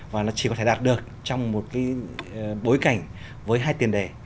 và nó chỉ có thể đạt được trong một cái bối cảnh với hai tiền đề